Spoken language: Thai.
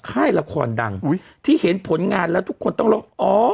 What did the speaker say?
ค่ายละครดังอุ้ยที่เห็นผลงานแล้วทุกคนต้องร้องอ๋อ